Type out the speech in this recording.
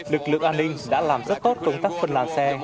lực lượng an ninh đã làm rất tốt công tác phân làn xe